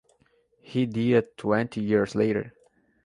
He died twenty years later.